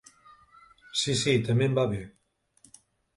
Si si, també em va bé.